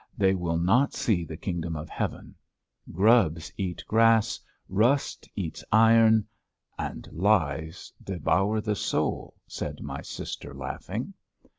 They will not see the kingdom of heaven. Grubs eat grass, rust eats iron...." "And lies devour the soul," said my sister, laughing.